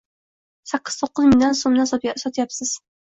Sakkiz-to'qqiz mingdan so‘mdan sotyapsiz.